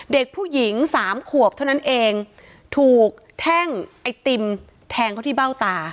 เด็กผู้หญิงสามขวบเท่านั้นเองถูกแท่งไอติมแทงเขาที่เบ้าตา